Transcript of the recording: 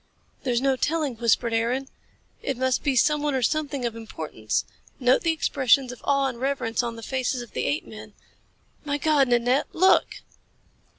"There's no telling," whispered Aaron. "It must be someone or something of importance. Note the expressions of awe and reverence on the faces of the apemen. My God, Nanette, look!"